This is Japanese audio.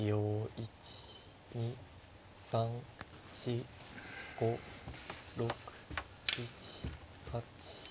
１２３４５６７８。